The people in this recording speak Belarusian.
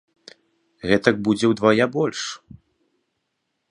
Гэтак будзе ўдвая больш!